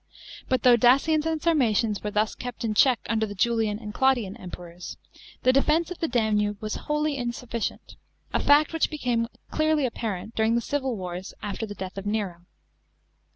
But though Dacians and Sarmatians were thus kept in check under the Julian and Claud ian Emperors, the defence of the Danube was wholly insufficient, a fact which became clearly apparent during the civil wars after the d^ath of Nero.